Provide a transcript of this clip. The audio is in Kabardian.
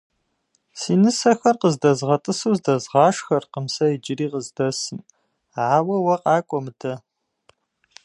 Си нысэхэр къыздэзгъэтӏысу здэзгъашхэркъым сэ иджыри къыздэсым, ауэ уэ къакӏуэ мыдэ.